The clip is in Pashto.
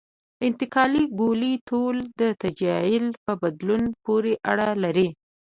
د انتقالي ګولایي طول د تعجیل په بدلون پورې اړه لري